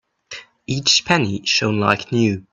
Each penny shone like new.